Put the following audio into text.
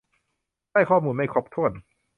ได้ข้อมูลไม่ครบถ้วน